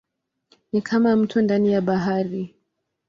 Ni kama mto ndani ya bahari.